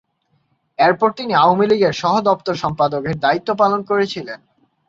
এরপর তিনি আওয়ামীলীগের সহ দপ্তর সম্পাদকের দায়িত্ব পালন করেছিলেন।